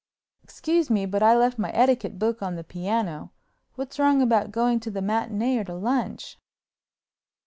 "Excuse me, but I've left my etiquette book on the piano. What's wrong about going to the matinée or to lunch?"